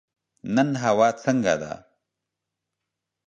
نن هوا څنګه ده؟